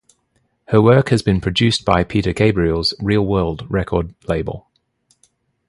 Her work has been produced by Peter Gabriel's Real World record label.